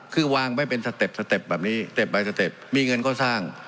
คือวางไว้เป็นสเต็ปสเต็ปแบบนี้เต็ปใบสเต็ปมีเงินก็สร้าง